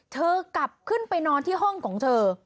เธอกลับขึ้นไปนอนที่ห้องของเธอ